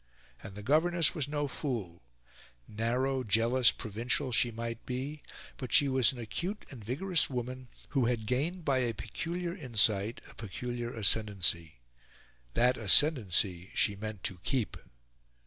And the governess was no fool: narrow, jealous, provincial, she might be; but she was an acute and vigorous woman, who had gained by a peculiar insight, a peculiar ascendancy. That ascendancy she meant to keep.